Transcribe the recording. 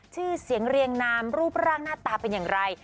ชื่อเสียงเรียงนามรูปร่างหน้าตาเป็นอย่างไร